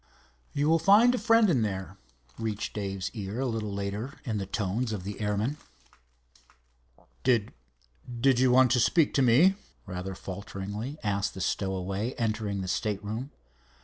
"You will find a friend in there," reached Dave's ear, a little later, in the tones of the airman. "Did—did you want to speak to me?" rather falteringly asked the stowaway, entering the stateroom.